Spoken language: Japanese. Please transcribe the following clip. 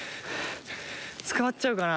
捕まっちゃうかな？